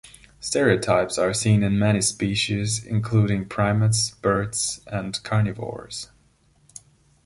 Stereotypies are seen in many species, including primates, birds, and carnivores.